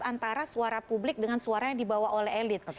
antara suara publik dengan suara yang dibawa oleh elit